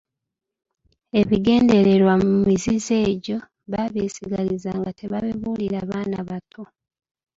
Ebigendererwa mu mizizo egyo baabyesigalizanga nga tebabibuulira baana bato.